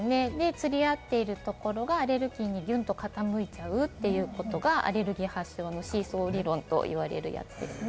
釣り合っているところがアレルギーにぐんと傾いちゃうということがアレルギー発症のシーソー理論というやつですね。